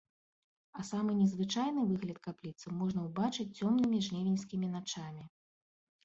А самы незвычайны выгляд капліцы можна ўбачыць цёмнымі жнівеньскімі начамі.